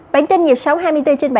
bản tin dịp sáu hai mươi bốn trên bảy